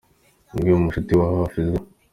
umwe mu nshuti za hafi za.